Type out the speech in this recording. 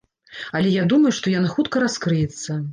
Але я думаю, што яна хутка раскрыецца.